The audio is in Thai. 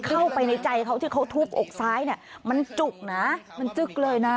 เข้าไปในใจเขาที่เขาทุบอกซ้ายเนี่ยมันจุกนะมันจึ๊กเลยนะ